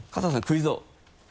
クイズ王。